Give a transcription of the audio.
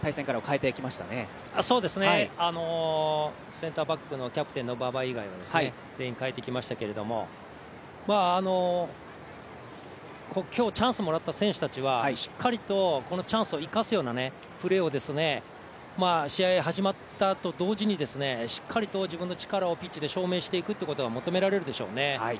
センターバックのキャプテンの馬場以外全員、かえってきましたけど今日、チャンスもらった選手たちはしっかりとチャンスを生かすようなプレーを試合が始まったと同時にしっかりと自分の力をピッチで証明していくっていうことが求められるでしょうね。